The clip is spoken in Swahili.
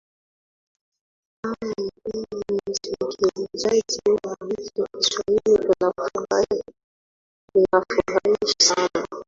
naam mpenzi msikilizaji wa rfi kiswahili tunafurahi sana